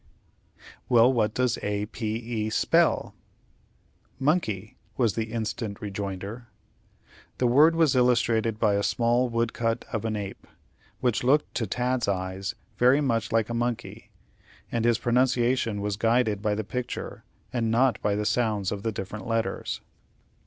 "Well, what does A p e spell?" "Monkey," was the instant rejoinder. The word was illustrated by a small wood cut of an ape, which looked to Tad's eyes very much like a monkey; and his pronunciation was guided by the picture, and not by the sounds of the different letters.